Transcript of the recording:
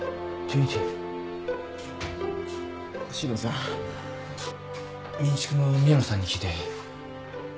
民宿の宮野さんに聞いて。